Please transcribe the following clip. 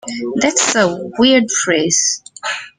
That is a weird phrase.